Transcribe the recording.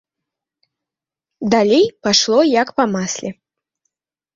Далей пайшло як па масле.